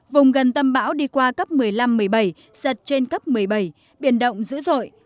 vùng gần tâm bão đi qua cấp một mươi năm một mươi bảy giật trên cấp một mươi bảy biển động dữ dội